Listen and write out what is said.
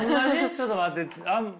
ちょっと待って。